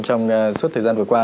trong suốt thời gian vừa qua